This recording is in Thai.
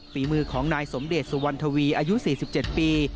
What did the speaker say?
ฝีมือของนายสมเดชสุวรรณทวีอายุ๔๗ปี